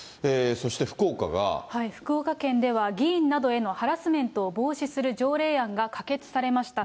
福岡県では議員などへのハラスメントを防止する条例案が可決されました。